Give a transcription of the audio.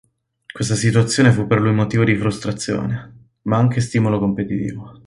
Questa situazione fu per lui motivo di frustrazione, ma anche stimolo competitivo.